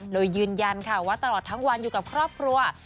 โดยยืนยันค่ะว่าตลอดทั้งวันอยู่กับครอบครัว